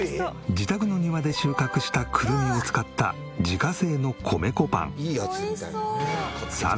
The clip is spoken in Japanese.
自宅の庭で収穫したくるみを使った自家製の米粉パン。